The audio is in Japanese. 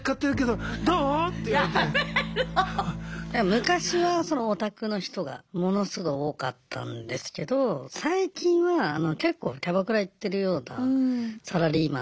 昔はそのオタクの人がものすごい多かったんですけど最近は結構キャバクラ行ってるようなサラリーマンの方も多いですね今は。